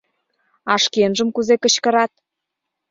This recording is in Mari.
А шкенжым кузе кычкырат?